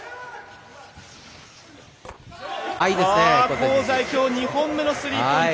香西、きょう２本目のスリーポイント。